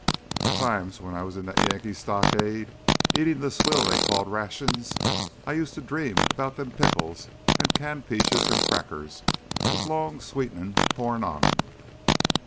Times when I was in that Yankee stockade eatin' th' swill they called rations I used to dream 'bout them pickles an' canned peaches an' crackers with long sweetin' poured on 'em!"